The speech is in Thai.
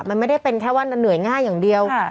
มันไม่ได้เป็นแค่ว่าเหนื่อยง่ายอย่างเดียว